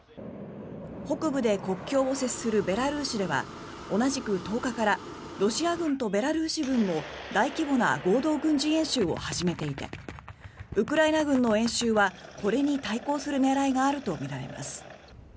北部で国境を接するベラルーシでは同じく１０日からロシア軍とベラルーシ軍も大規模な合同軍事演習を始めていてウクライナ軍の演習はこれに対抗する狙いがあるとみられます。